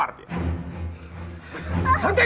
anak ini tidak bersalah cepat lebar